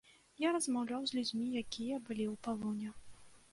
Я размаўляў з людзьмі, якія былі ў палоне.